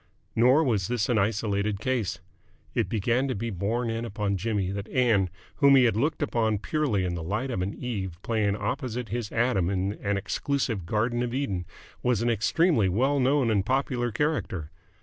Nor was this an isolated case. It began to be borne in upon Jimmy that Ann, whom he had looked upon purely in the light of an Eve playing opposite his Adam in an exclusive Garden of Eden, was an extremely well known and popular character.